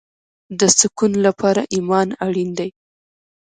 د سکون لپاره ایمان اړین دی